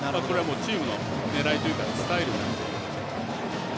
これがチームの狙いというかスタイルなので。